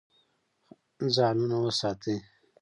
ځانونه وساتئ.